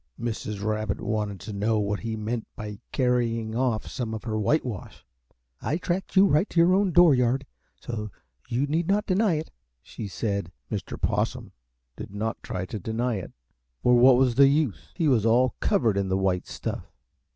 Mrs. Rabbit wanted to know what he meant by carrying off some of her whitewash. "I tracked you right to your own door yard, so you need not deny it," she said. Mr. Possum did not try to deny it, for what was the use. He was all covered in the white stuff?